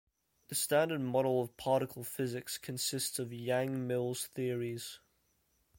The Standard Model of particle physics consists of Yang-Mills Theories.